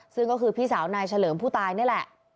ซึ่งก็คือพี่สาวนายเฉลิมผู้ตายนี่แหละ